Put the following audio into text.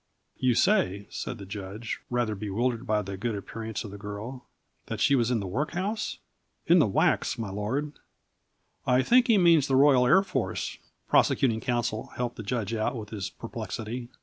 "You say," said the judge, rather bewildered by the good appearance of the girl, "that she was in the workhouse!" "In the Wacks, my lord." "I think he means the Royal Air Force," prosecuting counsel helped the judge out of his perplexity.